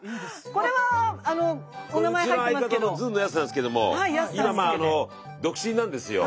これうちの相方のずんのやすなんですけども今独身なんですよ。